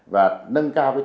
và nâng cao cái chất